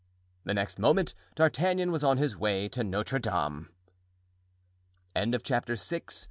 The next moment D'Artagnan was on his way to Notre Dame. Chapter VII.